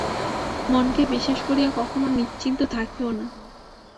মনকে বিশ্বাস করিয়া কখনও নিশ্চিন্ত থাকিও না।